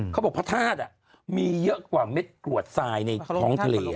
เขาบอกพระธาตุอ่ะมีเยอะกว่าเม็ดกรวดซ่ายในท้องทะเลอ่ะ